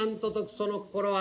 「その心は？」。